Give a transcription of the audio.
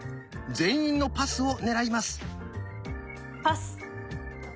全員のパスを狙います。